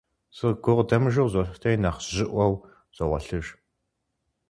Сыгукъыдэмыжу къызолъытэри, нэхъ жьыӀуэу согъуэлъыж.